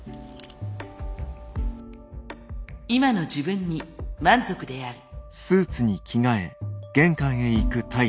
今の自分に満足である。